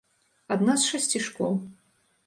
Адна з шасці школ.